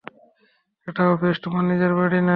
এটা অফিস, তোমার নিজের বাড়ি না।